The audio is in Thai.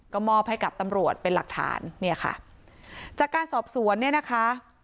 ก็มอบให้กับตำรวจเป็นหลักฐานเนี่ยค่ะจากการสอบสวนเนี่ยนะคะ